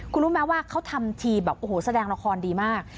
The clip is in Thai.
คุณรู้ไหมว่าเขาทำทีแบบโอ้โหแสดงละครดีมาก